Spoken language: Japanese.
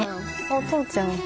あっお父ちゃん。